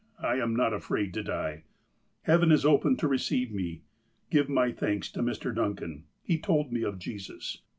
I am not afraid to die. Heaven is open to receive me. Give my thanks to Mr. Duncan. He told me of Jesus.